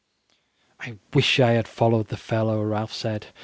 "I wish I had followed the fellow," Ralph said.